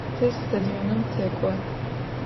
Te stadionım tek'o.